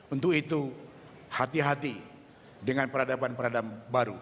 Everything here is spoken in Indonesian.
untuk itu hati hati dengan peradaban peradaban baru